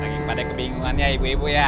lagi pada kebingungan ya ibu ibu ya